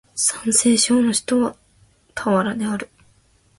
山西省の省都は太原である